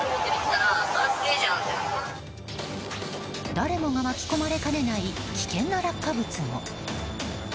誰もが巻き込まれかねない危険な落下物も。